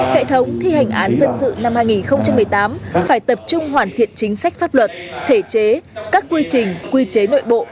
hệ thống thi hành án dân sự năm hai nghìn một mươi tám phải tập trung hoàn thiện chính sách pháp luật thể chế các quy trình quy chế nội bộ